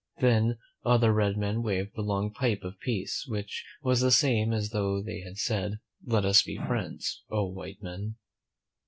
Then other red men waved the long pipe of peace, which was the same as though they had said, "Let us be friends, oh, white men!"